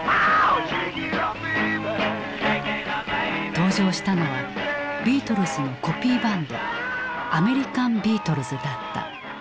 登場したのはビートルズのコピーバンド「アメリカン・ビートルズ」だった。